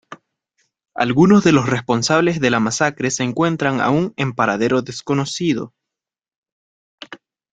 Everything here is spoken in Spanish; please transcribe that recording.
Algunos de los responsables de la masacre se encuentran aún en paradero desconocido.